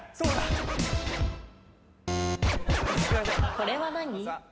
これは何？